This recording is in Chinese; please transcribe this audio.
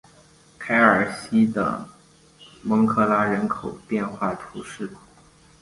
凯尔西的蒙克拉人口变化图示